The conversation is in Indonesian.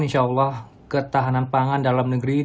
insya allah ketahanan pangan dalam negeri